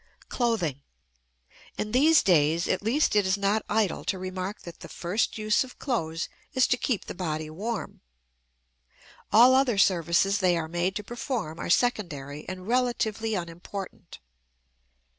CLOTHING. In these days at least it is not idle to remark that the first use of clothes is to keep the body warm; all other services they are made to perform are secondary and relatively unimportant.